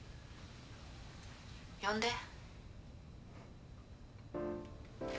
呼んで。